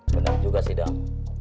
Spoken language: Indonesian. bener juga sih dong